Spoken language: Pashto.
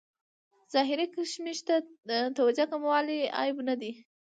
ظاهري کشمکش ته توجه کموالی عیب نه دی.